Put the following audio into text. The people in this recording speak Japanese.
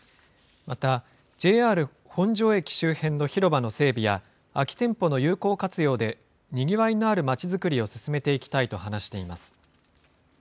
またＪＲ本庄駅周辺の広場の整備や、空き店舗の有効活用でにぎわいのあるまちづくりを進めていきたいと話しています。